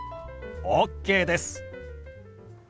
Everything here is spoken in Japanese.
ＯＫです！